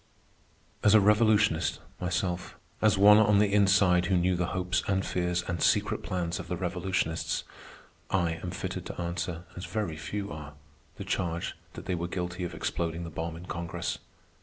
As a revolutionist myself, as one on the inside who knew the hopes and fears and secret plans of the revolutionists, I am fitted to answer, as very few are, the charge that they were guilty of exploding the bomb in Congress.